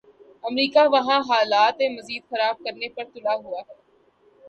امریکہ وہاں حالات مزید خراب کرنے پہ تلا ہوا ہے۔